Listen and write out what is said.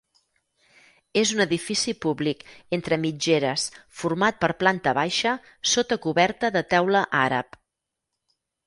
És un edifici públic entre mitgeres format per planta baixa sota coberta de teula àrab.